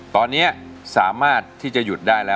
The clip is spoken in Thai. ตอนนี้สามารถที่จะหยุดได้แล้ว